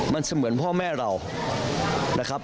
มันเสมือนพ่อแม่เรานะครับ